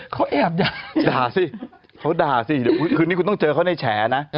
เขาอาบด่าอย่างงั้นค่ะนะสิเขาด่าสิคืนนี้คุณต้องเจอเขาในแชนะ